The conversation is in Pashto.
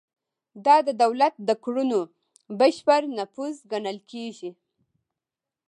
دا د دولت د کړنو بشپړ نفوذ ګڼل کیږي.